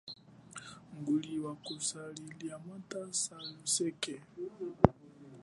Nguli wa kusali lia mwatha saluseke.